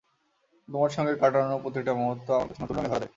তোমার সঙ্গে কাটানো প্রতিটা মুহূর্ত আমার কাছে নতুন রঙে ধরা দেয়।